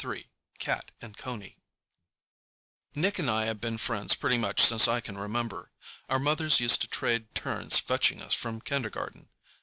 ] CAT AND CONEY Nick and I have been friends pretty much since I can remember. Our mothers used to trade turns fetching us from kindergarten.